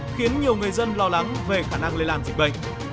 khiến nhiều người dân lo lắng về khả năng lây lan dịch bệnh